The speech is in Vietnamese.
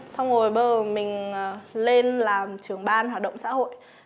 xong rồi bơ mình lên làm trưởng ban hoạt động xã hội